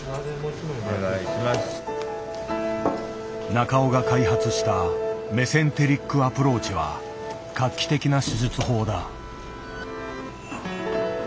中尾が開発した「メセンテリック・アプローチ」は画期的な手術法だ。